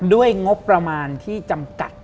ด้วยงบประมาณที่จำกัด